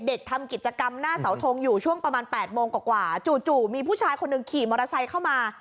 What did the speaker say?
ทำกิจกรรมหน้าเสาทงอยู่ช่วงประมาณ๘โมงกว่าจู่มีผู้ชายคนหนึ่งขี่มอเตอร์ไซค์เข้ามา